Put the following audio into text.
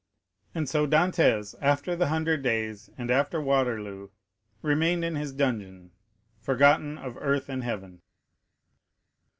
And so Dantès, after the Hundred Days and after Waterloo, remained in his dungeon, forgotten of earth and heaven.